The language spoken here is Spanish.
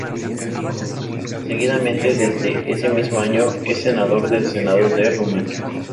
Seguidamente desde ese mismo año es senador del Senado de Rumania.